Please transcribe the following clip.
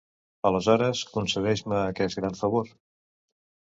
Aleshores, concedeix-me aquest gran favor.